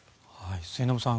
末延さん